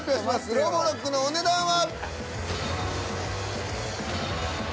「ロボロック」のお値段は。